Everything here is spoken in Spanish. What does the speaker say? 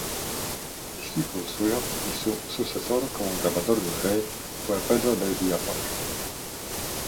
Discípulo suyo y su sucesor como grabador del rey fue Pedro de Villafranca.